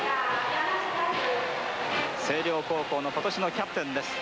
星稜高校の今年のキャプテンです。